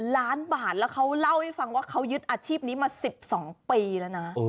ล้านบาทแล้วเขาเล่าให้ฟังว่าเขายึดอาชีพนี้มา๑๒ปีแล้วนะ